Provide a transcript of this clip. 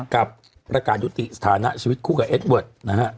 กับประกาศยุติสถานะชีวิตคู่กับเอสเวิร์ดนะฮะ